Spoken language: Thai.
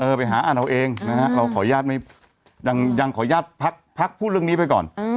ไปหาอ่านเอาเองนะฮะเราขออนุญาตไม่ยังขออนุญาตพักพูดเรื่องนี้ไปก่อน